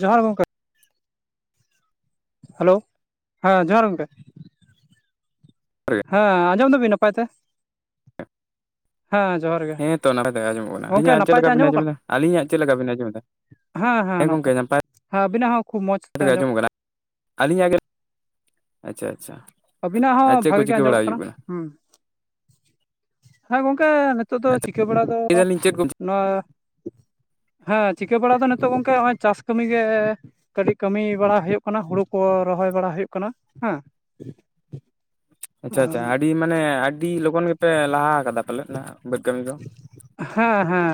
ᱡᱚᱦᱟᱨ ᱜᱚᱝᱠᱮ᱾ ᱦᱮᱞᱳ ᱦᱮᱸ ᱡᱚᱦᱟᱨ ᱜᱚᱢᱠᱮ᱾ ᱜᱮ ᱦᱮᱸ ᱟᱸᱡᱚᱢ ᱫᱟᱵᱤᱱ ᱱᱟᱯᱟᱭ ᱛᱮ᱾ ᱦᱮᱸ ᱡᱚᱦᱟᱨ ᱜᱮ᱾ ᱦᱮᱸ ᱛᱚ ᱱᱟᱯᱟᱭ ᱛᱮᱜᱮ ᱟᱸᱡᱚᱢᱚᱜ ᱠᱟᱱᱟ᱾ ᱜᱚᱝᱠᱮ ᱟᱞᱤᱧᱟᱜ ᱪᱮᱫ ᱱᱟᱯᱟᱭ ᱛᱮ ᱞᱮᱠᱟ ᱵᱤᱱ ᱟᱸᱡᱚᱢᱚᱜ ᱠᱟᱱᱟ ᱟᱸᱡᱚᱢᱮᱫᱟ, ᱟᱹᱞᱤᱧᱟᱜ ᱪᱮᱫ ᱞᱮᱠᱟ ᱵᱤᱱ ᱟᱸᱡᱚᱢᱮᱫᱟ? ᱦᱮᱸ ᱦᱮᱸ ᱱᱟᱯᱟᱭ ᱦᱮᱸ ᱟᱵᱤᱱᱟᱜ ᱦᱚᱸ ᱠᱷᱩᱜ ᱢᱚᱸᱡᱽ᱾ ᱛᱮ ᱱᱟᱯᱟᱭ ᱜᱮ ᱟᱸᱡᱚᱢ ᱟᱸᱡᱚᱢᱚᱜ ᱠᱟᱱᱟ᱾ ᱟᱹᱞᱤᱧᱟᱜ ᱜᱮ, ᱟᱪᱪᱷᱟ ᱟᱪᱪᱷᱟ᱾ ᱟᱹᱵᱤᱱᱟᱜ ᱟᱨ ᱦᱚᱸ ᱪᱮᱫ ᱠᱚ ᱵᱷᱟᱜᱤ ᱜᱮ ᱪᱤᱠᱟᱹ ᱵᱟᱲᱟ ᱟᱸᱡᱚᱢᱚᱜ ᱦᱩᱭᱩᱜ ᱠᱟᱱᱟ᱾ ᱦᱩᱸ ᱦᱮᱸ ᱜᱚᱝᱠᱮ ᱱᱤᱛᱚᱜ ᱫᱚ ᱟᱪᱪᱷᱟ ᱪᱤᱠᱟᱹ ᱵᱟᱲᱟ ᱫᱚ, ᱞᱟᱹᱭ ᱫᱟᱞᱤᱧ ᱪᱮᱫ ᱠᱚ ᱱᱚᱣᱟ ᱦᱮᱸ ᱪᱤᱠᱟᱹ ᱵᱟᱲᱟ ᱫᱚ ᱱᱤᱛᱚᱜ ᱜᱚᱝᱠᱮ ᱦᱚᱜᱼᱚᱭ ᱪᱟᱥ ᱠᱟᱹᱢᱤ ᱜᱮ᱾ ᱠᱟᱹᱴᱤᱡ ᱠᱟᱹᱢᱤ ᱵᱟᱲᱟ ᱦᱩᱭᱩᱜ ᱠᱟᱱᱟ, ᱦᱳᱲᱳ ᱠᱚ ᱨᱚᱦᱚᱭ ᱵᱟᱲᱟ ᱦᱩᱭᱩᱜ ᱠᱟᱱᱟ ᱦᱮᱸ᱾ ᱟᱪᱪᱷᱟ ᱟᱪᱪᱷᱟ, ᱟᱹᱰᱤ ᱢᱟᱱᱮ ᱟᱹᱰᱤ ᱞᱚᱜᱚᱱ ᱜᱮᱯᱮ ᱞᱟᱦᱟ ᱟᱠᱟᱫᱟ ᱯᱟᱞᱮᱫ ᱱᱟᱜ ᱵᱟᱹᱫᱽ ᱠᱟᱹᱢᱤ ᱫᱚ᱾ ᱦᱮᱸ ᱦᱮᱸ